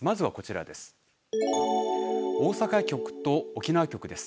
まずはこちらです。